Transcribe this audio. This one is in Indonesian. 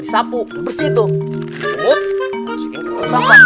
dipungut masukin ke dalam sampah